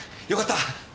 よかった。